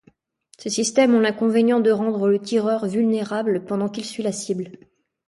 Ces systèmes ont l’inconvénient de rendre le tireur vulnérable pendant qu’il suit la cible.